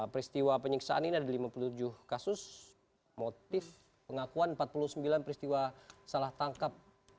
peristiwa penyiksaan ini ada lima puluh tujuh kasus motif pengakuan empat puluh sembilan peristiwa salah tangkap